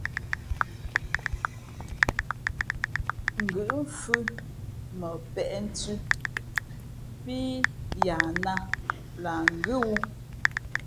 Ngʉ̌ʼ mfhʉ̄ mα peʼnthʉ̄ pí yahnāt lah ngʉ́ wū.